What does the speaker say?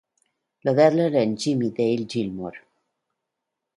Lauderdale and Jimmie Dale Gilmore.